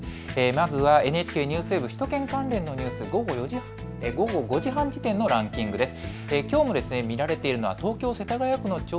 まずはＮＨＫニュースウェブ、首都圏関連のニュース、午後５時半時点のランキングです。